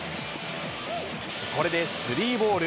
これでスリーボール。